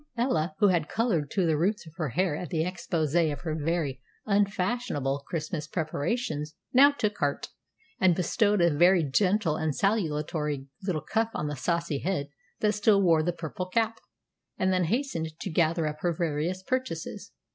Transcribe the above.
Ella, who had colored to the roots of her hair at the exposé of her very unfashionable Christmas preparations, now took heart, and bestowed a very gentle and salutary little cuff on the saucy head that still wore the purple cap, and then hastened to gather up her various purchases.